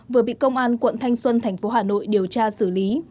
vừa bị công an quận thanh xuân thành phố hà nội điều tra xử lý